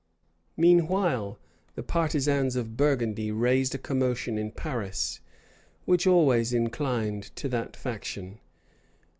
Meanwhile the partisans of Burgundy raised a commotion in Paris, which always inclined to that faction.